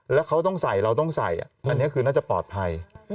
แล้วเขาต้องใส่เราต้องใส่อันนี้คือน่าจะปลอดภัย